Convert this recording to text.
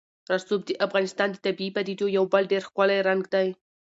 رسوب د افغانستان د طبیعي پدیدو یو بل ډېر ښکلی رنګ دی.